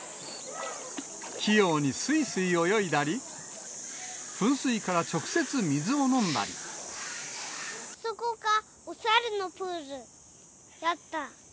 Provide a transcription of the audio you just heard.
器用にすいすい泳いだり、あそこがお猿のプールだった。